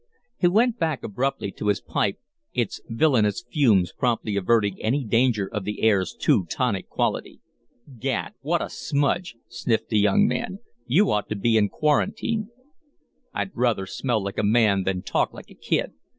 He went back abruptly to his pipe, its villanous fumes promptly averting any danger of the air's too tonic quality. "Gad! What a smudge!" sniffed the younger man. "You ought to be in quarantine." "I'd ruther smell like a man than talk like a kid.